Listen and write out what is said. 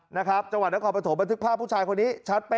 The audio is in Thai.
นะครับจังหวัดละครปฐมมันทึกภาคผู้ชายคนนี้